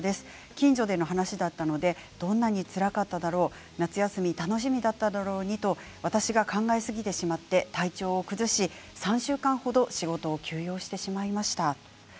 近所の話だったのどんなにつらかっただろう夏休み、楽しみだったろうにと考えすぎてしまって、３週間程休養してしまいました。